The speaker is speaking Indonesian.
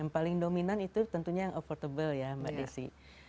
yang paling dominan itu tentunya yang affortable ya mbak desi